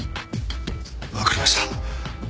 分かりました。